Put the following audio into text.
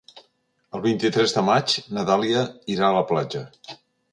El vint-i-tres de maig na Dàlia irà a la platja.